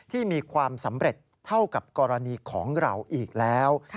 ที่มีความสำเร็จเท่ากับกรณีของเราอีกแล้ว